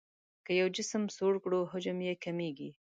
که یو جسم سوړ کړو حجم یې کمیږي.